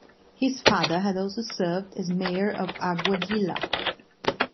His father, had also served as mayor of Aguadilla.